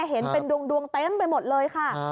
เห็นเป็นดวงเต็มไปหมดเลยค่ะ